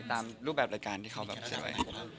ตามรูปแบบรายการที่เขาเสียไว้